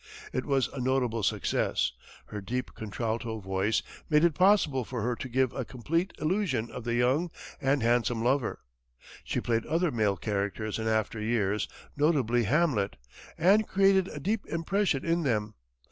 It was a notable success. Her deep contralto voice made it possible for her to give a complete illusion of the young and handsome lover. She played other male characters in after years, notably Hamlet, and created a deep impression in them.